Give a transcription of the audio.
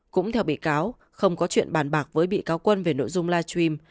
cũng theo bị cáo không có chuyện bàn bạc với bị cáo quân về nội dung live stream